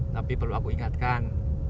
tapi perlu aku ingatkan